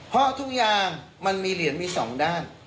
เพราะทุกอย่างมันมีเหรียญมีสองด้าน